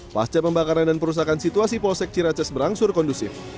pasca pembakaran dan perusakan situasi polsek ciracas berangsur kondusif